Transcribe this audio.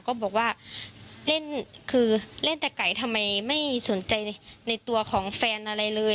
ก็บอกว่าเล่นคือเล่นแต่ไก่ทำไมไม่สนใจในตัวของแฟนอะไรเลย